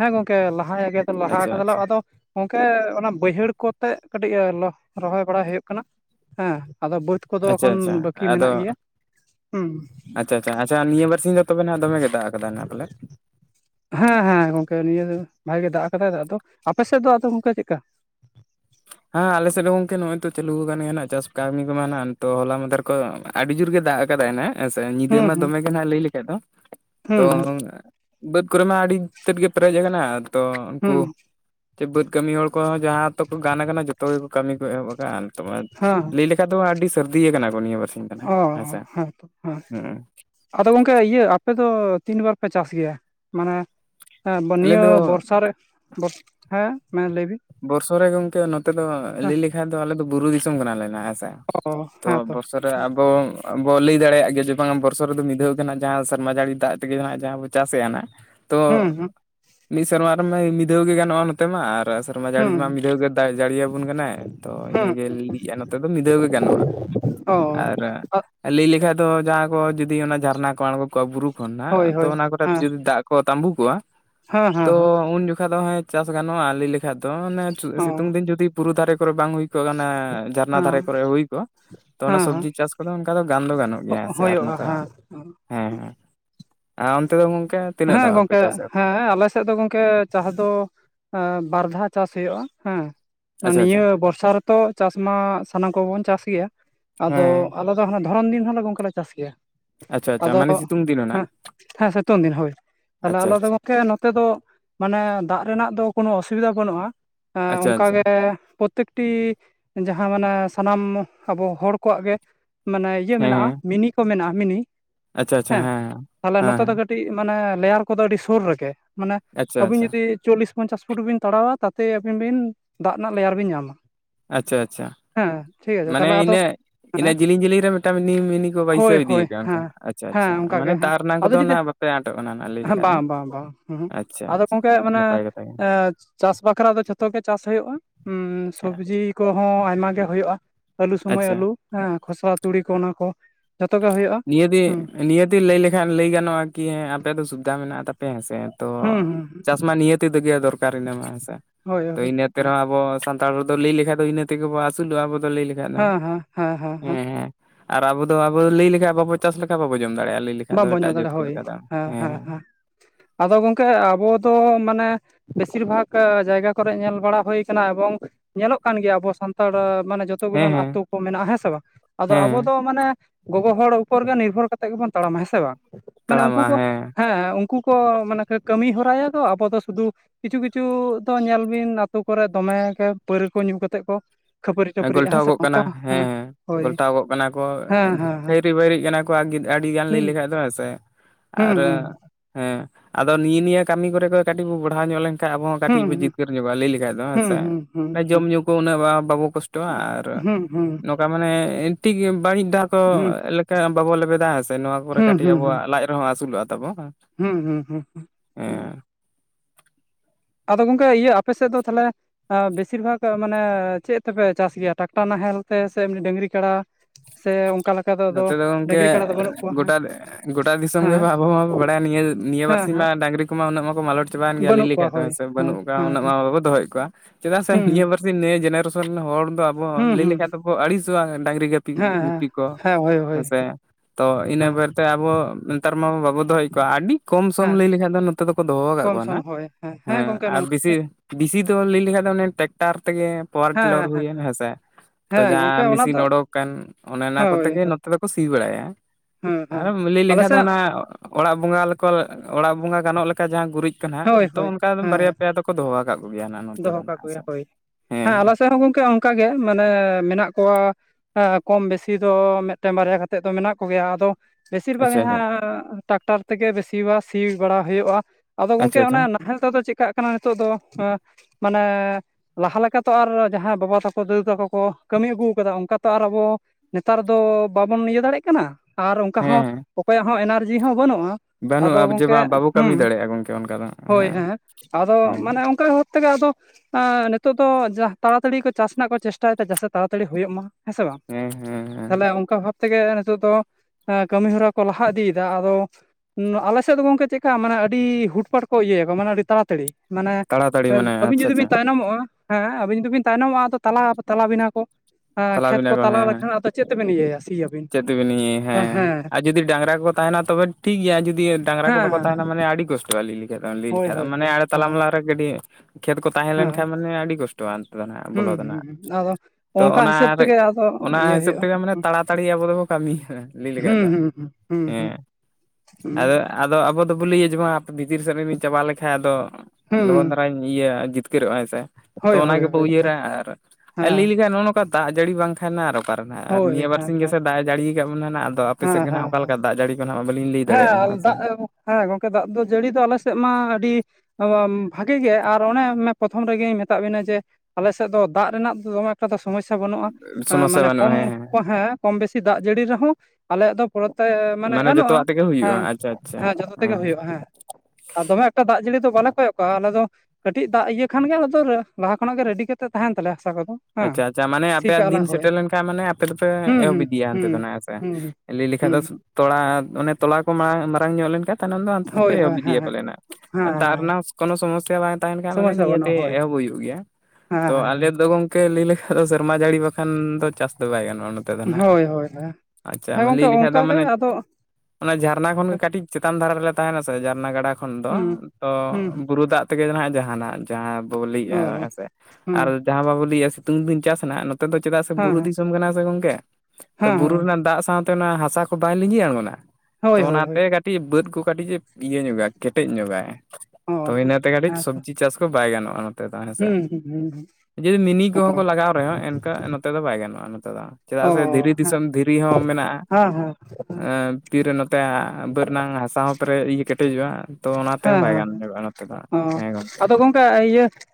ᱦᱮᱸ ᱜᱚᱝᱠᱮ ᱞᱟᱦᱟᱭ ᱜᱮ ᱞᱟᱦᱟ ᱟᱪᱪᱷᱟ ᱟᱠᱟᱫᱟᱞᱮ, ᱟᱪᱪᱷᱟ ᱟᱫᱚ ᱜᱚᱝᱠᱮ ᱚᱱᱟ ᱵᱟᱹᱭᱦᱟᱹᱲ ᱠᱚᱛᱮ ᱠᱟᱹᱴᱤᱡ ᱨᱚᱦᱚᱭ ᱵᱟᱲᱟᱭ ᱦᱩᱭᱩᱜ ᱠᱟᱱᱟ᱾ ᱦᱮᱸ ᱟᱫᱚ ᱵᱟᱹᱫᱽ ᱠᱚᱫᱚ ᱟᱪᱪᱷᱟ ᱮᱠᱷᱚᱱ ᱟᱪᱪᱷᱟ ᱵᱟᱹᱠᱤ ᱟᱫᱚ ᱢᱮᱱᱟᱜ ᱜᱮᱭᱟ ᱦᱩᱸ᱾ ᱟᱪᱪᱷᱟ ᱟᱪᱪᱷᱟ ᱟᱪᱪᱷᱟ ᱱᱤᱭᱟᱹ ᱵᱟᱨᱥᱤᱧ ᱫᱚ ᱛᱚᱵᱮ ᱱᱟᱜ ᱫᱚᱢᱮ ᱜᱮ ᱫᱟᱜ ᱟᱠᱟᱫᱟᱭ ᱱᱟᱜ ᱯᱟᱞᱮᱱ? ᱦᱮᱸ ᱦᱮᱸ ᱜᱚᱝᱠᱮ ᱱᱤᱭᱟᱹ ᱵᱷᱟᱜᱮ ᱜᱮ ᱫᱟᱜ ᱟᱠᱟᱫᱟᱭ, ᱫᱟᱜ ᱫᱚ ᱟᱯᱮ ᱥᱮᱫ ᱫᱚ ᱟᱫᱚ ᱜᱚᱝᱠᱮ ᱪᱮᱜᱠᱟ? ᱦᱮᱸ ᱟᱞᱮ ᱥᱮᱫ ᱫᱚ ᱜᱚᱝᱠᱮ ᱱᱚᱜᱼᱚᱭ ᱛᱚ ᱪᱟᱹᱞᱩᱣ ᱟᱠᱟᱱ ᱜᱮᱭᱟ ᱱᱟᱜ ᱪᱟᱥ ᱠᱟᱹᱢᱤ ᱠᱚᱢᱟ ᱱᱟᱜ ᱱᱮᱛᱚᱜ ᱦᱚᱞᱟ ᱢᱟᱫᱮᱨ ᱠᱚ ᱟᱹᱰᱤ ᱡᱳᱨ ᱜᱮ ᱫᱟᱜ ᱟᱠᱟᱫᱟᱭ ᱱᱟᱜ ᱦᱮᱸᱥᱮ, ᱧᱤᱫᱟᱹ ᱦᱩᱸ ᱢᱟ ᱦᱩᱸ ᱫᱚᱢᱮ ᱜᱮ ᱱᱟᱜ ᱞᱟᱹᱭ ᱞᱮᱠᱟ ᱫᱚ᱾ ᱛᱚ ᱦᱩᱸ ᱦᱩᱸ ᱵᱟᱹᱫᱽ ᱠᱚᱨᱮ ᱢᱟ ᱟᱹᱰᱤ ᱛᱮᱫ ᱜᱮ ᱯᱮᱨᱮᱡ ᱟᱠᱟᱱᱟ᱾ ᱛᱚ ᱩᱝᱠᱩ ᱦᱩᱸ ᱵᱟᱹᱫᱽ ᱠᱟᱹᱢᱤ ᱦᱚᱲ ᱠᱚᱦᱚᱸ ᱡᱟᱦᱟᱸ ᱛᱚᱠᱚ ᱜᱟᱱ ᱠᱟᱱᱟ ᱡᱚᱛᱚ ᱜᱮᱠᱚ ᱠᱟᱹᱢᱤ ᱠᱚ ᱮᱦᱚᱵ ᱠᱟᱜ-ᱟ, ᱱᱤᱛᱚᱜ ᱢᱟ ᱦᱮᱸ ᱞᱟᱹᱭ ᱞᱮᱠ ᱮᱠᱟ ᱫᱚ ᱟᱹᱰᱤ ᱥᱟᱹᱨᱫᱤ ᱠᱟᱱᱟ ᱠᱚ ᱱᱤᱭᱟᱹ ᱯᱟᱥᱮ ᱚ ᱦᱮᱸ ᱛᱚ ᱦᱮᱸ ᱟᱫᱚ ᱜᱚᱝᱠᱮ ᱤᱭᱟᱹ ᱟᱯᱮ ᱫᱚ ᱛᱤᱱ ᱵᱟᱨ ᱯᱮ ᱪᱟᱥ ᱜᱮᱭᱟ? ᱢᱟᱱᱮ ᱦᱮᱸ ᱟᱞᱮ ᱱᱤᱭᱟᱹ ᱫᱚ ᱵᱚᱨᱥᱟ ᱨᱮ ᱦᱮᱸ ᱢᱟ ᱞᱟᱹᱭ ᱵᱤᱱ᱾ ᱵᱚᱨᱥᱚ ᱨᱮ ᱜᱚᱝᱠᱮ ᱱᱚᱛᱮ ᱫᱚ ᱦᱮᱸ ᱞᱟᱹᱭ ᱞᱮᱠᱷᱟᱱ ᱫᱚ ᱟᱞᱮ ᱫᱚ ᱵᱩᱨᱩ ᱫᱤᱥᱚᱢ ᱠᱟᱱᱟᱞᱮ ᱦᱮᱸᱥᱮ, ᱚ ᱛᱚ ᱦᱮᱸᱛᱚ ᱵᱚᱨᱥ ᱨᱮ ᱟᱵᱚ ᱟᱵᱚ ᱞᱟᱹᱭ ᱫᱟᱲᱮᱭᱟᱜ ᱜᱮᱭᱟ ᱡᱮ ᱵᱟᱝ ᱵᱚᱨᱥᱚ ᱨᱮᱫᱚ ᱢᱤᱫ ᱫᱷᱟᱹᱣ ᱜᱤ ᱱᱟᱜ ᱡᱟᱦᱟᱸ ᱥᱮᱨᱢᱟ ᱡᱟᱹᱲᱤ ᱫᱟᱜ ᱛᱮᱜᱮ ᱦᱟᱜ ᱡᱟᱦᱟᱸ ᱪᱟᱥᱮᱫᱼᱟ ᱱᱟᱦᱟᱜ ᱛᱚ ᱦᱩᱸ ᱦᱩᱸ ᱢᱤᱫ ᱥᱮᱨᱢᱟ ᱨᱮᱢᱟ ᱢᱤᱫ ᱫᱷᱟᱣ ᱜᱮ ᱜᱟᱱᱚᱜᱼᱟ ᱱᱚᱛᱮ ᱢᱟ ᱟᱨ ᱥᱮᱨᱢᱟ ᱡᱟᱹᱲᱤ ᱦᱩᱸ ᱨᱮᱢᱟ ᱢᱤᱫ ᱫᱷᱟᱹᱣ ᱜᱮ ᱫᱟᱜ ᱡᱟᱹᱲᱤ ᱟᱵᱚᱱ ᱠᱟᱱᱟᱭ ᱛᱚ ᱦᱩᱸ ᱤᱱᱟᱹᱜᱮ ᱞᱤᱫᱤᱜᱼᱟ ᱱᱚᱛᱮ ᱫᱚ ᱢᱤᱫ ᱫᱷᱟᱹᱣ ᱜᱮ ᱜᱟᱱᱚᱜᱼᱟ᱾ ᱚ ᱟᱨ ᱞᱟᱹᱭ ᱞᱮᱠᱷᱟᱡ ᱫᱚ ᱡᱟᱦᱟᱸ ᱠᱚ ᱡᱩᱫᱤ ᱚᱱᱟ ᱡᱷᱟᱨᱱᱟ ᱠᱚ ᱟᱬᱜᱚ ᱠᱚᱜᱼᱟ ᱵᱩᱨᱩ ᱠᱷᱚᱱ ᱦᱳᱭ ᱱᱟᱜ ᱛᱚ ᱦᱳᱭ ᱚᱱᱟ ᱠᱚᱨᱮ ᱦᱮᱸ ᱡᱩᱫᱤ ᱫᱟᱜ ᱠᱚ ᱛᱟᱸᱵᱩ ᱠᱚᱣᱟ ᱦᱮᱸ ᱦᱮᱸ ᱛᱚ ᱦᱮᱸ ᱩᱱ ᱡᱚᱠᱷᱟ ᱫᱚ ᱦᱮᱸ ᱪᱟᱥ ᱜᱟᱱᱚᱜᱼᱟ ᱞᱟᱹᱭ ᱞᱮᱠ ᱛᱚ ᱚᱱᱮ ᱚ ᱥᱤᱛᱩᱝ ᱫᱤᱱ ᱡᱩᱫᱤ ᱵᱩᱨᱩ ᱫᱷᱟᱨᱮ ᱠᱚᱨᱮ ᱵᱟᱝ ᱦᱩᱭ ᱠᱚᱜ-ᱟ ᱢᱟᱱᱮ ᱡᱷᱟᱨᱱᱟ ᱦᱮᱸ ᱫᱷᱟᱨᱮ ᱠᱚᱨᱮ ᱦᱩᱭ ᱠᱚᱜ-ᱟ ᱛᱚ, ᱛᱚ ᱚᱱᱟ ᱦᱮᱸ ᱦᱮᱸ ᱥᱚᱵᱽᱡᱤ ᱪᱟᱥ ᱠᱚᱫᱚ ᱚᱱᱠᱟ ᱫᱚ ᱜᱟᱱ ᱫᱚ ᱜᱟᱱᱚᱜ ᱜᱮᱭᱟ ᱥᱮ ᱟᱨ ᱦᱳᱭᱳᱜᱼᱟ ᱱᱚᱝᱠᱟ ᱦᱮᱸ ᱦᱮᱸ, ᱟᱨ ᱚᱱᱛᱮ ᱫᱚ ᱜᱚᱝᱠᱮ? ᱛᱤᱱᱟᱹᱜ ᱦᱮᱸ ᱫᱷᱟᱣ ᱯᱮ ᱜᱚᱝᱠᱮ, ᱪᱟᱥᱮᱫ ᱦᱮᱸ ᱟᱞᱮ ᱟᱞᱮ ᱥᱮᱫ ᱫᱚ ᱜᱚᱝᱠᱮ ᱪᱟᱥ ᱫᱚ ᱵᱟᱨ ᱫᱷᱟᱣ ᱪᱟᱥ ᱦᱩᱭᱩᱜ-ᱟ ᱦᱮᱸ᱾ ᱟᱪᱪᱷᱟ ᱟᱪᱪᱷᱟ ᱱᱤᱭᱟᱹ ᱵᱚᱨᱥᱟ ᱨᱮᱛᱚ ᱪᱟᱥ ᱢᱟ ᱥᱟᱱᱟᱢ ᱠᱚᱜᱨᱵᱚᱱ ᱪᱟᱥ ᱜᱮᱭᱟ, ᱟᱫᱚ ᱦᱮᱸ ᱟᱞᱮ ᱫᱚ ᱦᱟᱱᱟ ᱫᱷᱚᱨᱚᱱ ᱫᱤᱱ ᱦᱚᱸᱞᱮ ᱜᱚᱝᱠᱮ ᱞᱮ ᱪᱟᱥ ᱜᱮᱭᱟ᱾ ᱟᱪᱪᱷᱟ ᱟᱪᱪᱷᱟ ᱟᱫᱚ ᱢᱟᱱᱮ ᱥᱤᱛᱩᱝ ᱫᱤᱱ ᱨᱮᱱᱟᱜ ᱦᱮᱸ, ᱦᱮᱸ ᱥᱤᱛᱳᱝ ᱫᱤᱱ ᱦᱳᱭ᱾ ᱛᱟᱦᱞᱮ ᱟᱪᱪᱷᱟ ᱟᱞᱮ ᱫᱚ ᱟᱪᱪᱷᱟ ᱜᱚᱝᱠᱮ ᱱᱚᱛᱮ ᱫᱚ ᱢᱟᱱᱮ ᱫᱟᱜ ᱨᱮᱱᱟᱜ ᱫᱚ ᱠᱳᱱᱳ ᱚᱥᱩᱵᱤᱫᱷᱟ ᱵᱟᱹᱱᱩᱜ-ᱟ᱾ ᱦᱮᱸ ᱟᱪᱪᱷᱟ ᱟᱪᱪᱷᱟ ᱚᱝᱠᱟᱜᱮ ᱯᱚᱛᱛᱮᱠᱴᱤ ᱡᱟᱦᱟᱸ ᱢᱟᱱᱮ ᱥᱟᱱᱟᱢ ᱟᱵᱚ ᱦᱚᱲ ᱠᱚᱣᱟᱜ ᱜᱮ ᱢᱟᱱᱮ ᱤᱭᱟᱹ ᱦᱮᱸ ᱢᱮᱱᱟᱜ-ᱟ ᱦᱮᱸ ᱢᱤᱱᱤ ᱠᱚ ᱢᱮᱱᱟᱜ-ᱟ ᱢᱤᱱᱤ ᱟᱪᱪᱷᱟ ᱟᱪᱪᱷᱟ ᱦᱮᱸ, ᱛᱟᱦᱞᱮ ᱦᱮᱸ ᱱᱚᱛᱮ ᱫᱚ ᱦᱮᱸ ᱠᱟᱹᱴᱤᱡ ᱢᱟᱱᱮ ᱞᱮᱭᱟᱨ ᱠᱚᱫᱚ ᱟᱹᱰᱤ ᱥᱳᱩᱨ ᱨᱮᱜᱮ ᱢᱟᱱᱮ ᱟᱪᱪᱷᱟ ᱟᱹᱵᱤᱱ ᱟᱪᱪᱷᱟ ᱡᱩᱫᱤ ᱪᱚᱞᱞᱤᱥ ᱯᱚᱧᱪᱟᱥ ᱯᱷᱩᱴ ᱵᱤᱱ ᱛᱟᱲᱟᱣᱟ ᱛᱟᱛᱮ ᱟᱹᱵᱤᱱ ᱵᱤᱱ ᱫᱟᱜ ᱨᱮᱱᱟᱜ ᱞᱮᱭᱟᱨ ᱵᱤᱱ ᱧᱟᱢᱟ᱾ ᱟᱪᱪᱷᱟ ᱟᱪᱪᱷᱟ᱾ ᱦᱮᱸ᱾ ᱴᱷᱤᱠ ᱟᱪᱷᱮ ᱢᱟᱱᱮ ᱛᱟᱦᱚᱞᱮ ᱟᱫᱚ ᱤᱱᱟᱹᱜ, ᱤᱱᱟᱹ ᱦᱮᱸ ᱡᱤᱞᱤᱧ ᱡᱤᱞᱤᱧ ᱨᱮ ᱢᱤᱫᱴᱟᱝ ᱢᱤᱱᱤ ᱢᱤᱱᱤ ᱠᱚ ᱦᱳᱭ ᱵᱟᱹᱭᱥᱟᱹᱣ ᱤᱫᱤ ᱦᱳᱭ ᱟᱠᱟᱜ-ᱟᱠᱚ ᱚᱝᱠᱟ ᱦᱮᱸ ᱟᱪᱪᱷᱟ ᱦᱮᱸ ᱟᱪᱪᱷᱟ᱾ ᱚᱱᱠᱟ ᱢᱟᱱᱮ ᱜᱮ ᱦᱮᱸ ᱫᱟᱜ ᱨᱮᱱᱟᱜ ᱟᱫᱚ ᱠᱚᱫᱚ ᱡᱩᱫᱤ ᱩᱱᱟᱹᱜ ᱵᱟᱯᱮ ᱟᱸᱴᱚᱜ ᱠᱟᱱᱟ ᱱᱟᱜ? ᱞᱟᱹᱭ ᱞᱮᱠᱷᱟᱡ ᱫᱚ ᱵᱟᱝ ᱵᱟᱝ ᱵᱟᱝ, ᱩᱦᱩᱸᱜ ᱟᱪᱪᱷᱟ ᱟᱫᱚ ᱟᱪᱪᱷᱟ ᱜᱚᱝᱠᱮ ᱚᱱᱮ ᱱᱟᱯᱟᱭ ᱠᱟᱛᱷᱟ ᱜᱮ ᱟᱸᱻ ᱪᱟᱥ ᱵᱟᱠᱷᱨᱟ ᱫᱚ ᱡᱷᱚᱛᱚ ᱜᱮ ᱪᱟᱥ ᱦᱩᱭᱩᱜ-ᱟ ᱥᱚᱵᱽᱡᱤ ᱠᱚᱦᱚᱸ ᱟᱭᱢᱟ ᱜᱮ ᱦᱩᱭᱩᱜ-ᱟ ᱟᱹᱞᱩ ᱥᱚᱢᱚᱭ ᱟᱪᱪᱷᱟ ᱟᱹᱞᱩ, ᱦᱮᱸ ᱠᱷᱚᱥᱞᱟ ᱛᱩᱲᱤ ᱠᱚ, ᱚᱱᱟ ᱠᱚ᱾ ᱡᱚᱛᱚ ᱜᱮ ᱦᱩᱭᱩᱜ-ᱟ᱾ ᱱᱤᱭᱟᱹᱛᱤ, ᱱᱤᱭᱟᱹᱛᱤ ᱞᱟᱹᱭ ᱞᱮᱠᱷᱟᱱ ᱞᱟᱹᱭ ᱜᱟᱱᱚᱜ-ᱟ ᱠᱤ ᱦᱮᱸ ᱟᱯᱮ ᱫᱚ ᱥᱩᱵᱤᱫᱷᱟ ᱢᱮᱱᱟᱜ ᱛᱟᱯᱮᱭᱟ ᱦᱮᱸ ᱥᱮ᱾ ᱛᱚ ᱦᱩᱸ ᱦᱩᱸ ᱪᱟᱥ ᱢᱟ ᱱᱤᱦᱟᱹᱛᱤ ᱜᱮ ᱫᱚᱨᱠᱟᱨ ᱚᱱᱟᱹᱢᱟ ᱦᱮᱸ ᱥᱮ ᱦᱳᱭ ᱛᱚ ᱦᱳᱭ ᱤᱱᱟᱹ ᱠᱟᱹᱨ ᱦᱮᱸ ᱟᱵ ᱥᱟᱱᱛᱟᱲ ᱦᱚᱲ ᱫᱚ ᱞᱟᱹᱭ ᱞᱮᱠᱷᱟᱡ ᱫᱚ ᱤᱱᱟᱹ ᱛᱮᱜᱵᱚ ᱟᱥᱩᱞ ᱡᱚᱱᱟᱜ-ᱟ, ᱟᱵᱚ ᱫᱚ ᱞᱟᱹᱭ ᱞᱮᱠ [unintelligible] ᱦᱮᱸ ᱦᱮᱸ ᱟᱨ ᱟᱵᱚ ᱫᱚ, ᱟᱵᱚ ᱞᱟᱹᱭ ᱞᱮᱠᱷᱟᱡ ᱵᱟᱵᱚ ᱪᱟᱥ ᱞᱮᱠᱟ ᱵᱟᱵᱚ ᱡᱚᱢ ᱫᱟᱲᱮᱭᱟᱜ-ᱟ ᱞᱟᱹᱭ ᱞᱮᱠᱷᱟᱡ ᱫᱚ ᱵᱟᱵᱚᱱ ᱮᱴᱟᱜ ᱡᱚᱢ ᱡᱟᱹᱛ ᱫᱟᱲᱮᱭᱟᱜ-ᱟ ᱠᱚ ᱦᱳᱭ, ᱞᱮᱠᱟ ᱫᱚ ᱦᱮᱸ ᱦᱮᱸ ᱦᱮᱸ ᱟᱫᱚ ᱜᱚᱝᱠᱮ ᱟᱵᱚ ᱫᱚ ᱢᱟᱱᱮ ᱵᱤᱥᱤᱨ ᱵᱷᱟᱜᱽ ᱡᱟᱭᱜᱟ ᱠᱚᱨᱮᱜ ᱧᱮᱞ ᱵᱟᱲᱟ ᱦᱩᱭ ᱠᱟᱱᱟ ᱮᱵᱚᱝ ᱧᱮᱞᱚᱜ ᱠᱟᱱ ᱜᱮᱭᱟ ᱟᱵᱚ ᱥᱟᱱᱛᱟᱲ ᱢᱟᱱᱮ ᱡᱚᱛ ᱛᱚ ᱦᱮᱸ ᱜᱩᱞᱟᱹᱱ ᱦᱮᱸ ᱟᱹᱛᱩᱳ ᱠᱚ ᱢᱮᱱᱟᱜ-ᱟ ᱦᱮᱸ ᱥᱮ ᱵᱟᱝ ᱟᱫᱚ ᱦᱮᱸ ᱟᱵᱚ ᱫᱚ ᱢᱟᱱᱮ ᱜᱚᱜᱚ ᱦᱚᱲ ᱩᱯᱚᱨ ᱜᱮ ᱱᱤᱨᱵᱷᱚᱨ ᱠᱟᱛᱮ ᱜᱮᱵᱚᱱ ᱛᱟᱲᱟᱢᱟ ᱦᱮᱸ ᱥᱮ ᱵᱟᱝ, ᱢᱟᱱᱮ ᱩᱝᱠᱩ ᱛᱟᱲᱟᱢᱟ ᱠᱚ ᱦᱮᱸ ᱦᱮᱸ ᱩᱝᱠᱩ ᱠᱚ ᱢᱟᱱᱮ ᱠᱚ ᱠᱟᱹᱢᱤ ᱦᱚᱨᱟᱭᱟ ᱠᱚ ᱟᱵᱚ ᱫᱚ ᱥᱩᱫᱩ ᱠᱤᱪᱷᱩ ᱠᱤᱪᱷᱩ ᱫᱚ ᱧᱮᱞ ᱵᱤᱱ ᱟᱹᱛᱩ ᱠᱚᱨᱮ ᱫᱚᱢᱮ ᱜᱮ ᱯᱟᱹᱣᱨᱟᱹ ᱠᱚ ᱧᱩ ᱠᱟᱛᱮᱜ ᱠᱚ ᱠᱷᱟᱹᱯᱟᱹᱨᱤ ᱴᱟᱹᱯᱟᱹᱨᱤᱜᱼᱟ ᱦᱮᱸ ᱥᱮ ᱜᱚᱞᱴᱟᱣᱚᱜ ᱚᱱᱠᱟ ᱠᱟᱱᱟ ᱦᱮᱸ, ᱦᱳᱭ ᱜᱚᱞᱴᱟᱣᱚᱜ ᱠᱟᱱᱟ ᱠᱚ ᱦᱮᱸ ᱦᱮᱸ ᱦᱮᱸ ᱠᱷᱟᱭᱨᱤ ᱵᱟᱭᱨᱤᱜ ᱠᱟᱱᱟ ᱠᱩᱣᱟᱜ ᱜᱮ ᱟᱹᱰᱤᱜᱟᱱ ᱞᱟᱹᱭ ᱦᱩᱸ ᱞᱮᱠᱷᱟᱱ ᱫᱚ ᱦᱮᱸ ᱥᱮ, ᱟᱨ ᱦᱩᱸ ᱦᱩᱸ ᱦᱮᱸ ᱟᱫᱚ ᱱᱤᱭᱟᱹ ᱱᱤᱭᱟᱹ ᱠᱟᱹᱢᱤ ᱠᱚᱨᱮ ᱫᱚ ᱠᱟᱹᱴᱤᱡ ᱵᱚ ᱵᱟᱲᱦᱟᱣ ᱧᱚᱜ ᱞᱮᱱ ᱠᱟ ᱟᱵᱚᱦᱚᱸ ᱠᱟᱡᱤᱡ ᱦᱩᱸ ᱵᱚ ᱦᱩᱸ ᱡᱤᱛᱠᱟᱹᱨ ᱧᱚᱜᱚᱜ-ᱟ ᱞᱟᱹᱭ ᱞᱮᱠᱷᱟᱡ ᱫᱚ ᱦᱮᱸ ᱦᱩᱸ ᱥᱮ, ᱦᱩᱸ ᱦᱩᱸ ᱦᱩᱸ ᱡᱚᱢ ᱧᱩ ᱠᱚ ᱩᱱᱟᱹᱜ ᱵᱟᱵᱚ ᱠᱚᱥ ᱴᱚᱜ-ᱟ ᱟᱨ ᱦᱩᱸ ᱦᱩᱸ ᱱᱚᱝᱠᱟ ᱢᱟᱱᱮ ᱴᱤᱠ ᱵᱟᱹᱲᱤᱡ ᱫᱟᱜ ᱠᱚ ᱦᱩᱸ ᱞᱮᱠᱟ ᱵᱟᱵᱚ ᱞᱮᱵᱮᱫᱟ ᱦᱮᱸ ᱥᱮ, ᱱᱚᱣᱟ ᱠᱚᱨᱮ ᱦᱩᱸ ᱠᱟᱹᱴᱤᱡ ᱟᱵᱚᱣᱟᱜ ᱞᱟᱡ ᱨᱮᱦᱚᱸ ᱟᱹᱥᱩᱞᱚᱜ-ᱟ ᱛᱟᱵᱚ᱾ ᱦᱩᱸ ᱦᱩᱸ ᱦᱩᱸ ᱦᱩᱸ, ᱦᱮᱸ ᱦᱩᱸ᱾ ᱟᱫᱚ ᱜᱚᱝᱠᱮ ᱤᱭᱟᱹ ᱟᱯᱮ ᱥᱮᱫ ᱫᱚ ᱛᱟᱦᱞᱮ ᱟᱸᱻ ᱵᱮᱥᱤᱨ ᱵᱷᱟᱜᱽ ᱢᱟᱱᱮ ᱪᱮᱫ ᱛᱮᱯᱮ ᱪᱟᱥ ᱜᱮᱭᱟ ᱴᱨᱟᱠᱴᱟᱨ ᱱᱟᱦᱮᱞ ᱛᱮ ᱥᱮ ᱮᱢᱱᱤ ᱰᱟᱹᱝᱨᱤ ᱠᱟᱲᱟ? ᱥᱮ ᱚᱝᱠᱟ ᱞᱮᱠ ᱱᱚᱛᱮ ᱫᱚ ᱜᱚᱝᱠᱮ ᱜᱚᱴᱟ, ᱜᱚᱴᱟ ᱫᱤᱥᱚᱢ ᱜᱮ ᱦᱮᱸ ᱟᱵᱚ ᱢᱟᱵᱚ ᱵᱟᱲᱟᱭᱟ ᱱᱤᱭᱟᱹ, ᱱᱤᱭᱟᱹ ᱵᱟᱨ ᱦᱮᱸ ᱥᱤᱧ ᱦᱮᱸ ᱢᱟ ᱰᱟᱝᱨᱤ ᱩᱱᱠᱩᱢᱟ ᱩᱱᱟᱹᱜ ᱢᱟᱠᱚ ᱢᱟᱞᱚᱴ ᱪᱟᱵᱟᱭᱮᱱ ᱜᱮᱭᱟ ᱞᱟᱹᱭ ᱵᱟᱹᱱᱩᱜ ᱠᱚᱣᱟ ᱞᱮᱠᱷᱟᱱ ᱫᱚ ᱦᱳᱭ ᱦᱮᱸ ᱥᱮ᱾ ᱵᱟᱹᱱᱩᱜ ᱠᱚᱣᱟ ᱦᱮᱸ ᱩᱱᱟᱹᱜ ᱦᱮᱸ ᱢᱟ ᱵᱟᱵᱚ ᱫᱚᱦᱚᱭᱮᱫ ᱠᱚᱣᱟ ᱪᱮᱫᱟᱜ ᱥᱮ ᱦᱩᱸ ᱱᱤᱭᱟᱹ ᱯᱟᱹᱨᱥᱤᱟᱨ ᱱᱤᱭᱟᱹ ᱡᱮᱱᱟᱨᱮᱥᱚᱱ ᱨᱮᱱ ᱦᱚᱲ ᱫᱚ ᱟ᱾ ᱟᱵᱚ ᱦᱩᱸ ᱞᱟᱹᱭ ᱦᱩᱸ ᱞᱮᱠᱷᱟᱱ ᱫᱚᱵᱚ ᱟᱹᱲᱤᱥᱚᱜᱼᱟ ᱰᱟᱹᱝᱨᱤ ᱜᱟᱯᱤ ᱦᱮᱸ ᱦᱮᱸ ᱜᱩᱯᱤ ᱠᱚ᱾ ᱦᱮᱸ ᱦᱳᱭ ᱦᱳᱭ ᱦᱮᱸᱥᱮ ᱛᱚ ᱤᱱᱟᱹ ᱦᱮᱸ ᱵᱟᱨᱛᱮ ᱟᱵᱚ ᱱᱮᱛᱟᱨ ᱢᱟ ᱵᱟᱵᱚ ᱫᱚᱦᱚᱭᱮᱫ ᱠᱚᱣᱟ ᱟᱹᱰᱤ᱾ ᱠᱚᱢ ᱥᱚᱢ ᱦᱮᱸ ᱞᱟᱹᱭ ᱞᱮᱠᱷᱟᱱ ᱫᱚ ᱱᱚᱛᱮ ᱫᱚᱠᱚ ᱫᱚᱦᱚ ᱟᱠᱟᱫ ᱠᱚᱢ ᱠᱚᱣᱟ ᱥᱚᱢ ᱱᱟᱦᱟᱜ ᱦᱳᱭ ᱦᱮᱸ ᱜᱚᱝᱠᱮ ᱟᱨ ᱱᱚᱝᱠᱟ ᱵᱤᱥᱤ᱾ ᱦᱮᱸ ᱵᱮᱥᱤ ᱫᱚ ᱞᱟᱹᱭ ᱞᱮᱠᱷᱟᱱᱡ ᱫᱚ ᱚᱱᱮ ᱴᱮᱠᱴᱟᱨ ᱛᱮᱜᱮ᱾ ᱯᱟᱣᱟᱨ ᱴᱤᱞᱚᱨ ᱦᱮᱸ ᱦᱩᱭᱮᱱ ᱦᱮᱸ ᱦᱮᱸᱥᱮ ᱛᱚ ᱦᱮᱸ ᱜᱚᱝᱠᱮ ᱡᱟᱦᱟᱸ ᱚᱱᱟ ᱢᱮᱥᱤᱱ ᱫᱚ ᱚᱰᱳᱠ ᱟᱠᱟᱱ ᱚᱲᱮ ᱨᱮᱱᱟᱜ᱾ ᱠᱚᱛᱮ ᱦᱳᱭ ᱜᱮ ᱱᱚᱛᱮ ᱫᱚᱠᱚ ᱥᱤ ᱵᱟᱲᱟᱭᱟ ᱦᱮᱸ ᱦᱮᱸ ᱟᱨᱢ ᱞᱟᱹᱭ ᱟᱞᱮ ᱞᱮᱠᱷᱟᱱ ᱫᱚ ᱥᱮᱫ ᱚᱱᱟ᱾ ᱚᱲᱟᱜ ᱵᱚᱸᱜᱟ ᱞᱮᱠᱟ ᱚᱲᱟᱜ ᱵᱚᱸᱜᱟ ᱜᱟᱱᱚᱜ ᱞᱮᱠᱟ ᱡᱟᱦᱟᱸ ᱜᱩᱨᱤᱡ᱾ ᱠᱟᱱᱟ ᱦᱳᱭ ᱛᱚ ᱦᱳᱭ ᱚᱱᱠᱟ ᱦᱮᱸ ᱵᱟᱨᱭᱟ ᱦᱮᱸ ᱯᱮᱭᱟ ᱫᱚᱠᱚ ᱫᱚᱦᱚᱣᱟ ᱟᱠᱟᱫ ᱠᱚᱜᱮᱭᱟ ᱱᱚᱛᱮ ᱫᱚ ᱫᱚᱦᱚ ᱠᱟᱠᱚ ᱦᱟᱜᱥᱮ᱾ ᱜᱮᱭᱟ ᱦᱳᱭ ᱦᱮᱸ ᱟᱞᱮ ᱥᱮᱫ ᱦᱚᱸ ᱜᱚᱢᱠᱮ ᱚᱱᱠᱟᱜ ᱜᱮ ᱢᱟᱱᱮ ᱢᱮᱱᱟᱜ ᱠᱚᱣᱟ᱾ ᱠᱚᱢ ᱵᱮᱥᱤ ᱫᱚ ᱢᱤᱫᱴᱮᱱ ᱵᱟᱨᱭᱟ ᱠᱟ ᱠᱟᱛᱮᱫ ᱫᱚ ᱢᱮᱱᱟᱜ ᱠᱚᱜᱮᱭᱟ ᱟᱫᱚ᱾ ᱵᱮᱥᱤᱨ ᱵᱷᱟᱜᱽ ᱟᱪᱪᱷᱟ ᱟᱪᱪᱷᱟ ᱡᱟᱦᱟᱸ ᱴᱟᱨᱟᱠᱴᱟᱨ ᱛᱮᱜᱮ ᱵᱮᱥᱤᱨ ᱵᱷᱟᱜᱽ ᱥᱤ ᱵᱟᱲᱟ ᱦᱩᱭᱩᱜᱼᱟ᱾ ᱟᱫᱚ ᱟᱪᱪᱷᱟ ᱜᱚᱝᱠᱮ ᱟᱪᱪᱷᱟ ᱚᱱᱟᱮ ᱱᱟᱦᱮᱞ ᱛᱮᱫᱚ ᱪᱤᱠᱟᱜ ᱠᱟᱱᱟ? ᱱᱤᱛᱚᱜ ᱫᱚ ᱢᱟᱱᱮ᱾ ᱞᱟᱦᱟ ᱞᱮᱠᱟ ᱛᱚ ᱟᱨ ᱡᱟᱦᱟᱸᱭ ᱵᱟᱵᱟ ᱛᱟᱠᱚ ᱫᱟᱤᱫᱩ ᱛᱟᱠᱚ ᱠᱚ ᱠᱟᱹᱢᱤ ᱟᱹᱜᱩ ᱠᱟᱫᱟ ᱚᱱᱠᱟ ᱛᱚ ᱟᱨ ᱟᱵᱚ᱾ ᱱᱮᱛᱟᱨ ᱫᱚ ᱵᱟᱵᱚᱱ ᱤᱭᱟᱹ ᱫᱟᱲᱮᱭᱟᱜ ᱠᱟᱱᱟ ᱟᱨ ᱚᱱᱠᱟ ᱦᱮᱸ ᱦᱚᱸ ᱦᱮᱸ ᱚᱠᱚᱭᱟᱜ ᱦᱚᱸ ᱮᱱᱟᱨᱡᱤ ᱦᱚᱸ ᱵᱟᱹᱱᱩᱜᱼᱟ᱾ ᱟᱫᱚ ᱵᱟᱹᱱᱩᱜᱼᱟ ᱡᱮ ᱜᱚᱝᱠᱮ ᱵᱟᱝ ᱵᱟᱵᱚ ᱠᱟᱹᱢᱤ ᱦᱩᱸ ᱫᱟᱲᱮᱭᱟᱜᱼᱟ ᱜᱚᱢᱠᱮ ᱚᱱᱠᱟ ᱫᱚ᱾ ᱦᱳᱭ ᱦᱮᱸ ᱟᱫᱚ ᱦᱮᱸ ᱢᱟᱱᱮ ᱚᱱᱠᱟ ᱵᱷᱟᱵ ᱛᱮ ᱫᱚ ᱾ ᱱᱤᱛᱚᱜᱜ ᱫᱚ ᱛᱟᱲᱟᱛᱟᱲᱤ ᱠᱚ ᱪᱟᱥ ᱨᱮᱱᱟᱜ ᱠᱚ ᱪᱮᱥᱴᱟᱭᱮᱫᱟ ᱪᱮᱫᱟᱜ ᱥᱮ ᱛᱟᱲᱟᱛᱟᱲᱤ ᱦᱩᱭᱩᱜ ᱢᱟ᱾ ᱦᱮᱸ ᱥᱮ ᱵᱟᱝ᱾ ᱦᱮᱸ ᱦᱮᱸ ᱦᱮᱸ ᱛᱟᱦᱞᱮ ᱚᱱᱠᱟ ᱵᱷᱟᱵᱽ ᱛᱮᱜᱮ ᱱᱤᱛᱚᱜ ᱫᱚ ᱠᱟᱹᱢᱤ ᱦᱚᱨᱟ ᱠᱚ ᱞᱟᱦᱟ ᱤᱫᱤᱭᱮᱫᱟ ᱟᱫᱚ᱾ ᱟᱞᱮᱥᱮᱫ ᱫᱚ ᱜᱚᱢᱠᱮ ᱪᱮᱫᱮᱠᱟ ᱢᱟᱱᱮ ᱟᱹᱰᱤ᱾ ᱦᱩᱴᱯᱟᱴ ᱠᱚ ᱤᱭᱟᱹᱭᱟᱠᱚ ᱢᱟᱱᱮ ᱟᱹᱰᱤ ᱛᱟᱲᱟᱛᱟᱹᱲᱤ ᱢᱟᱱᱮ ᱛᱟᱲᱟᱛᱟᱲᱤ ᱢᱟᱱᱮ ᱟᱹᱵᱤᱱ ᱟᱪᱪᱷᱟ ᱡᱩᱫᱤ ᱟᱪᱪᱷᱟ ᱵᱤᱱ ᱛᱟᱭᱱᱚᱢᱚᱜᱼᱟ᱾ ᱦᱮᱸ ᱟᱵᱤᱱ ᱡᱫᱤᱵᱤᱱ ᱛᱟᱭᱱᱚᱢᱚᱜᱼᱟ ᱟᱫᱚ ᱛᱟᱞᱟ ᱛᱟᱞᱟᱵᱤᱱᱟ ᱠᱚ ᱠᱷᱮᱛ ᱛᱟᱞᱟᱵᱤᱱᱟ ᱠᱚ ᱦᱮᱸ ᱛᱟᱞᱟ ᱦᱮᱸ ᱞᱮᱠᱷᱟᱱ ᱟᱫᱚ᱾ ᱪᱮᱫ ᱛᱮᱵᱱ ᱤᱭᱟᱹ ᱭᱟ? ᱪᱮᱫ ᱛᱮᱵᱤᱱᱧ ᱦᱮᱸ᱾ ᱟᱨ ᱡᱩᱫᱤ ᱰᱟᱝᱨᱟ ᱠᱚ ᱛᱟᱦᱮᱱᱟ ᱛᱚᱵᱮ ᱴᱷᱤᱠ ᱜᱮᱭᱟ ᱡᱩᱫᱤ ᱰᱟᱝᱨᱟ ᱠᱚ ᱦᱮᱸ ᱵᱟᱠᱚ ᱛᱟᱦᱮᱱᱟ ᱢᱟᱱᱮ ᱟᱹᱰᱤ ᱠᱚᱥᱴᱚ᱾ ᱞᱤ ᱠᱷᱮᱛᱚᱢ ᱞᱤᱞᱤ ᱦᱳᱭ ᱠᱷ ᱦᱳᱭ ᱢᱟᱱᱮ ᱦᱳᱭ ᱟᱲᱮ ᱛᱞᱟ ᱦᱮᱸ ᱨᱮ ᱠᱷᱮᱛ ᱠᱚ᱾ ᱛᱟᱦᱮᱸ ᱦᱮᱸ ᱞᱮᱱᱠᱟᱱᱡ ᱢᱟᱱᱮ ᱟᱹᱰᱤ ᱠᱚᱥᱴᱚᱜᱼᱟ ᱛᱮ ᱫᱚ ᱦᱟᱸᱜ ᱦᱩᱸ ᱵᱚᱞᱚ ᱫᱚ ᱦᱩᱸ ᱦᱟᱸᱜ, ᱦᱩᱸ ᱟᱫᱚ ᱛᱚ ᱚᱱᱠᱟ ᱚᱱᱟ᱾ ᱦᱤᱥᱟᱹᱵ ᱛᱮᱜᱮ ᱟᱫᱚ ᱚᱱᱟ ᱤᱭᱟᱹ ᱦᱤᱥᱟᱹᱵ ᱦᱩᱭᱩᱜᱼᱟ ᱛᱮᱜᱮ ᱢᱟᱱᱮ ᱛᱟᱲᱟ᱾ ᱥᱛᱟᱲᱤ ᱟᱵᱚ ᱫᱚᱵ ᱠᱟᱹᱢᱤᱭᱟ ᱞᱟᱹᱭ ᱞᱮᱠᱷᱟᱡ ᱦᱩᱸ ᱫᱚ ᱦᱩᱸ ᱦᱩᱸ ᱦᱩᱸ ᱦᱮᱸ, ᱦᱩᱸ ᱟᱫᱚ᱾ ᱟᱫᱚ ᱟᱵᱚ ᱫᱚᱵᱚᱱ ᱞᱟᱹᱭᱟ ᱡᱮ ᱵᱟᱝ ᱵᱷᱤᱛᱤᱨ ᱥᱮᱫᱱᱤᱧ ᱪᱟᱵᱟ ᱞᱮᱠᱷᱟᱡ ᱟᱫᱚ ᱦᱩᱸ ᱞᱚᱜᱚᱱ ᱫᱷᱟᱨᱟᱧ᱾ ᱤᱭᱟᱹ ᱡᱤᱛᱠᱟᱹᱨᱚᱜᱼᱟ ᱦᱮᱸ ᱥᱮᱮ ᱛᱚ ᱦᱳᱭ ᱚᱱᱟᱱᱟᱜ ᱦᱳᱭ ᱜᱮᱵᱚ ᱦᱳᱭ ᱦᱮᱸ ᱩᱭᱦᱟᱹᱨᱟ ᱟᱨ ᱞᱟᱹᱭ ᱞᱮᱠᱷᱟᱱᱡ ᱱᱚᱜᱼᱚ ᱱᱚᱝᱠᱟ ᱫᱟᱜ ᱡᱟᱹᱲᱤ ᱵᱟᱝᱠᱷᱟᱱ᱾ [inaudible] ᱦᱮᱸ ᱟᱨ ᱚᱠᱟᱨᱮ ᱟᱨ ᱦᱳᱭ ᱱᱤᱭᱟᱹ ᱵᱟᱨ᱾ ᱦᱮᱸ ᱵᱥᱤᱱ ᱦᱮᱸ ᱜᱮᱟᱥᱮ ᱫᱟᱜ ᱮ ᱡᱟᱹᱲᱤᱭᱟ ᱟᱠᱟᱫ ᱵᱚᱱᱟᱱᱟᱜ ᱟᱫᱚ ᱟᱯ ᱦᱮᱸ ᱥᱮᱫ ᱜᱮ ᱱᱟᱦᱟᱜ ᱦᱮᱸ ᱚᱠᱟ ᱞᱮᱠᱟ ᱫᱟᱜ ᱡᱟᱹᱲᱤ ᱠᱚᱦᱱᱟᱜᱜ ᱵᱟᱟᱹᱞᱤᱧ ᱦᱮᱸ ᱞᱟᱹᱭᱟᱲᱮᱭᱟᱜᱼᱟ ᱦᱮᱸ ᱦᱟᱜᱥ ᱥᱮ᱾ ᱫᱟᱜ ᱦᱮᱸ ᱜᱚᱢᱠᱮ ᱫᱟᱜ ᱫᱚ ᱡᱟᱹᱲᱤ ᱫᱚ ᱟᱞᱮ ᱥᱮᱫ ᱢᱟ ᱟᱹᱰᱤ᱾ ᱵᱷᱟᱜᱮ ᱜᱮ ᱟᱨ ᱚᱱᱮ ᱯᱨᱚᱛᱷᱚᱢ ᱨᱮᱜᱮᱧ ᱢᱮᱛᱟ ᱵᱤᱱᱟ ᱡᱮ ᱟᱞᱮ ᱥᱮᱫ ᱫᱚ ᱫᱟᱜ ᱨᱮᱱᱟᱜ ᱫᱚ ᱫᱚᱢᱮ᱾ ᱴᱟ ᱫᱚ ᱥᱚᱢᱚᱥᱥᱟ ᱵᱟᱹᱱᱩᱜᱼᱟ ᱮ ᱥᱚᱢᱚᱥᱥᱟ ᱢᱟᱱᱮ ᱵᱟᱹᱱᱩᱜᱼᱟ ᱠᱚᱢ ᱦᱮᱸ ᱠᱚ ᱦᱮᱸ ᱠᱚᱢ ᱵᱮᱥᱤ ᱫᱟᱜ ᱡᱟᱹᱲᱤ ᱨᱮᱦᱚᱸ᱾ ᱟᱞᱮᱭᱟᱜ ᱫᱚ ᱯᱚᱨᱮᱛᱮ ᱢᱟᱱᱮ ᱜᱟᱱᱚᱜᱼᱟ ᱡᱚᱛᱚᱣᱟᱜ ᱛᱮᱜᱮ ᱦᱩᱭᱩᱜᱼᱟ ᱦᱮᱸ ᱟᱪᱪᱷᱟ ᱟᱪᱪᱷᱟ ᱦᱮᱸ ᱡᱚᱛᱚ ᱛᱮᱜᱮ ᱦᱩᱭᱩᱜᱼᱟ ᱦᱮᱸ᱾ ᱟᱨ ᱫᱚᱢᱮ ᱮᱠᱴ ᱫᱟᱜ ᱡᱟᱹᱲᱤ ᱫᱚ ᱵᱟᱞᱮ ᱠᱚᱭᱚᱜ ᱠᱚᱼᱟ ᱟᱞᱮ ᱫᱚ᱾ ᱠᱟᱹᱴᱤᱡ ᱫᱟᱜ ᱤᱭᱟᱹ ᱠᱷᱟᱱ ᱜᱮ ᱟ ᱞᱟᱦᱟ ᱠᱷᱚᱱᱟᱜ ᱜᱮ ᱨᱮᱰᱤ ᱠᱟᱛᱮᱫ ᱛᱟᱦᱮᱱ ᱛᱟᱞᱮᱭᱟ ᱦᱟᱥᱟ ᱠᱚᱫᱚ᱾ ᱦᱮᱸ ᱟᱪᱪᱷᱟ ᱟᱪᱪᱷᱟ ᱥᱤ ᱢᱟᱱᱮᱯᱮᱭᱟᱜ ᱠᱟᱜᱼᱟ ᱫᱤᱱ ᱞᱟᱝ ᱥᱮᱴ ᱦᱳᱭ ᱞᱮᱱᱟᱱ᱾ ᱢᱟᱱᱮ ᱟᱯᱮ ᱫᱚᱯᱮ ᱦᱩᱸ ᱮᱦᱚᱵ ᱦᱩᱸ ᱤᱫᱤᱭᱟ ᱚᱱᱛᱮ ᱦᱩᱸ ᱫᱚ ᱱᱟ ᱦᱮᱸᱥᱮ ᱦᱩᱸ ᱦᱩᱸ ᱞᱟᱹᱭ ᱞᱮᱠᱷᱟᱱ ᱦᱩᱸ ᱫᱚ᱾ ᱛᱚᱲᱟ ᱚᱱᱮ ᱛᱚᱞᱟ ᱠᱚᱟᱝ ᱢᱟᱨᱟᱝ ᱧᱚᱜ ᱞᱮᱱᱠᱷᱟᱱ᱾ ᱟᱱᱫᱚ ᱦᱳᱭ ᱯᱮ ᱦᱳᱭ ᱵᱤᱫᱤᱭᱮ ᱦᱮᱸ ᱦᱮᱸ ᱠᱚᱟᱞᱮᱱᱟ ᱦᱮᱸ ᱟᱨ ᱫᱟᱨ ᱦᱮᱸ ᱨᱮᱱᱟᱜ ᱠᱚᱱᱳ ᱥᱚᱥᱟ ᱵᱟᱝ᱾ ᱛᱟᱦᱮᱱ ᱠᱷᱟᱡ ᱢᱟᱱᱮ ᱥᱚᱢᱚᱥᱥᱟ ᱵᱟᱹᱱᱩᱜᱼᱟ ᱱᱤᱭᱟᱹᱛᱮ ᱦᱳᱭ ᱮᱦᱚᱵ ᱦᱩᱭᱩᱜ ᱜᱮᱭᱟ ᱦᱮᱸ ᱛᱚ ᱦᱮᱸ ᱟᱞᱮ ᱫᱚ ᱜᱚᱝ᱾ ᱜᱚᱢᱠᱮ ᱞᱟᱹᱭ ᱞᱮᱠᱷᱟᱡ ᱫᱚ ᱥᱮᱨᱢᱟ ᱡᱟᱹᱲᱤ ᱵᱟᱠᱷᱟᱱ ᱫᱚ ᱪᱟᱥ ᱫᱚ ᱵᱟᱭ ᱜᱟᱱᱚᱜᱼᱟ, ᱱᱚᱛᱮ ᱫᱚ ᱦᱮᱸ ᱟᱸᱱᱟᱜ ᱦᱳᱭ ᱦᱳᱭ ᱦᱮᱸ ᱟᱪᱪᱷᱟ ᱦᱮᱸ ᱞᱟᱹᱭ ᱜᱚᱝᱠᱮ ᱞᱮᱠᱷᱟᱡ ᱫᱚ ᱚᱱᱠᱟ ᱜᱮ ᱢᱟᱱᱮ ᱟᱫᱚ ᱚᱱᱟ ᱡᱷᱟᱨᱱᱟ ᱠᱷᱚᱱᱜ ᱜᱮ ᱠᱟᱹᱴᱤᱡ ᱪᱮᱛᱟᱱ ᱫᱷᱟᱨᱟ ᱨᱮᱞᱮ ᱛᱟᱦᱮᱱᱟ ᱥᱮ ᱡᱷᱟᱨᱱᱟ ᱜᱟᱰᱟ ᱠᱷᱚᱱ ᱫᱚ ᱦᱩᱸ ᱛᱚ ᱦᱩᱸ ᱵᱩᱨᱩ ᱫᱟᱜ ᱛᱮᱜᱮ ᱱᱟᱜ ᱡᱟᱦᱟᱱᱟᱜ ᱡᱟᱦᱟᱸ ᱵᱚ ᱞᱟᱹᱭᱮᱜ-ᱟ ᱚ ᱦᱮᱸᱥᱮ ᱦᱩᱸ ᱟᱨ ᱡᱟᱦᱟᱸ ᱵᱟᱵᱚ ᱞᱟᱹᱭᱮᱫ-ᱟ ᱥᱤᱛᱩᱝ ᱫᱤᱱ ᱪᱟᱥ ᱨᱮᱱᱟᱜ ᱱᱚᱛᱮ ᱫᱚ ᱪᱮᱫᱟᱜ ᱥᱮ ᱦᱮᱸ ᱵᱩᱨᱩ ᱦᱮᱸ ᱫᱤᱥᱚᱢ ᱠᱟᱱᱟ ᱥᱮ ᱜᱚᱝᱠᱮ, ᱛᱚ ᱦᱮᱸ ᱵᱩᱨᱩ ᱦᱮᱸ ᱨᱮᱱᱟᱜ ᱫᱟᱜ ᱥᱟᱶ ᱛᱮ ᱚᱱᱟ ᱦᱟᱥᱟ ᱠᱚ ᱵᱟᱭ ᱞᱤᱸᱡᱤ ᱟᱬᱜᱚᱱᱟ ᱛᱚ ᱦᱳᱭ ᱚᱱᱟ ᱦᱳᱭ ᱛᱮ ᱦᱳᱭ ᱠᱟᱹᱴᱤᱡ ᱠᱟᱹᱴᱤᱡ ᱵᱟᱹᱫᱽ ᱠᱚ ᱠᱟᱹᱴᱤᱡ ᱮ ᱤᱭᱟᱹ ᱧᱚᱜᱟ ᱠᱮᱴᱮᱡ ᱧᱚᱜᱟ ᱚ ᱛᱚ ᱤᱱᱟᱹᱛᱮ ᱠᱟᱹᱴᱤᱡ ᱦᱮᱸ ᱛᱚ ᱥᱚᱵᱡᱤ ᱪᱟᱥ ᱠᱚ ᱵᱟᱭ ᱜᱟᱱᱚᱜ-ᱟ ᱱᱚᱛᱮ ᱫᱚ ᱦᱮᱸᱥᱮ ᱦᱩᱸ ᱦᱩᱸ ᱦᱩᱸ ᱡᱩᱫᱤ ᱢᱤᱱᱤ ᱚ ᱠᱚᱦᱚᱸ ᱠᱚ ᱞᱟᱜᱟᱣ ᱨᱮᱦᱚᱸ ᱮᱱᱛᱮ ᱱᱚᱛᱮ ᱫᱚ ᱵᱟᱭ ᱜᱟᱱᱚᱜ-ᱟ ᱱᱚᱛᱮ ᱫᱚ᱾ ᱪᱮᱫᱟᱜ ᱚ ᱥᱮ ᱫᱷᱤᱨᱤ ᱦᱮᱸ ᱫᱤᱥᱚᱢ ᱫᱷᱤᱨᱤ ᱦᱚᱸ ᱢᱮᱱᱟᱜ-ᱟ, ᱦᱮᱸ ᱦᱮᱸ ᱟᱨ ᱛᱤᱨᱮ ᱱᱚᱛᱮ ᱵᱟᱹᱨ ᱨᱮᱱᱟᱝ ᱦᱟᱥᱟ ᱦᱚᱸ ᱯᱮᱨᱮ ᱤᱭᱟᱹ ᱠᱮᱴᱮᱡᱚᱜ-ᱟ, ᱛᱚ ᱚᱱᱟᱛᱮᱦᱚᱸ ᱦᱮᱸ ᱵᱟᱭ ᱦᱮᱸ ᱜᱟᱱ ᱦᱩᱭᱩᱜ-ᱟ ᱱᱚᱛᱮ ᱫᱚ ᱚ ᱦᱮᱸ ᱜᱚᱝᱠᱮ᱾ [inaudible]